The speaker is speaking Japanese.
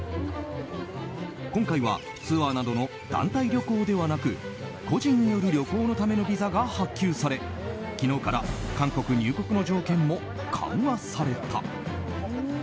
今回はツアーなどの団体旅行ではなく個人による旅行のためのビザが発給され昨日から韓国入国の条件も緩和された。